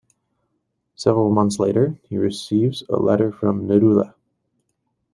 Several months later, he receives a letter from Neruda.